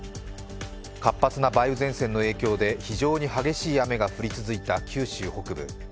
活発な梅雨前線の影響で非常に激しい雨が降り続いた九州北部。